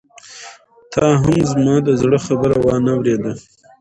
تا هم زما د زړه خبره وانه اورېده.